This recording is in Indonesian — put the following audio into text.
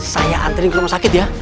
saya antri ke rumah sakit ya